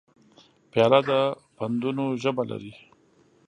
پیاله د پندونو ژبه لري.